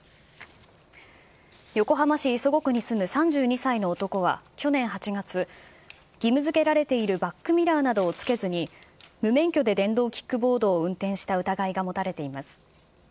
横浜市磯子区に住む３２歳の男は、去年８月、義務づけられているバックミラーなどをつけずに、無免許で電動キックボードを運転した疑いが持たれています。